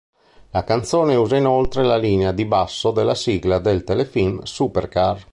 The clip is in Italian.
La canzone usa inoltre la linea di basso della sigla del telefilm "Supercar".